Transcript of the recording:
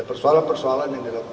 dan persoalan persoalan yang dilakukan